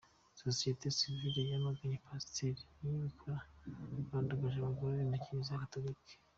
Sosiyete Sivile yamaganye Pasiteri Niyibikora wandagaje abagore na Kiliziya Gatolika.